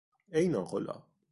ای ناقلا!